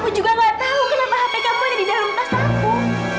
aku juga gak tahu kenapa hp kamu ada di dalam tas aku